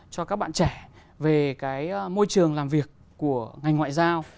cho các bạn trẻ về cái môi trường làm việc của ngành ngoại giao